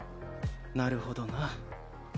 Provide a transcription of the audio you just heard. なるほどな。